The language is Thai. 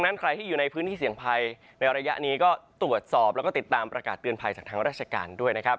ใครที่อยู่ในพื้นที่เสี่ยงภัยในระยะนี้ก็ตรวจสอบแล้วก็ติดตามประกาศเตือนภัยจากทางราชการด้วยนะครับ